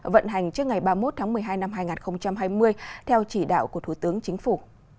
vận hành trước ngày ba mươi một tháng một mươi hai năm hai nghìn hai mươi theo chỉ đạo của thủ tướng chính phủ